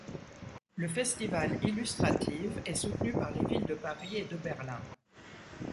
Le festival Illustrative est soutenu par les villes de Paris et de Berlin.